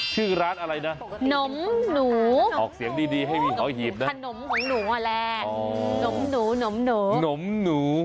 ชื่อร้านอะไรนะหนมหนูขนมของหนูแหละหนมหนูหนมหนู